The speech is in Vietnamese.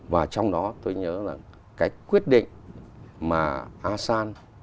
và trong đó tôi nhớ là cái quyết định mà asean